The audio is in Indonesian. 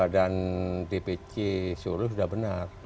dan dpc seuluh sudah benar